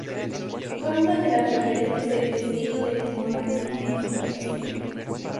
Fue una de las referentes del estilo del Informalismo en su país.